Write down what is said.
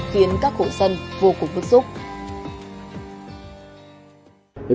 khiến các khổ sân vô cùng bức xúc